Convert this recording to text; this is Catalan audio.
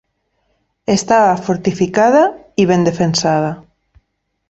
Estava fortificada i ben defensada.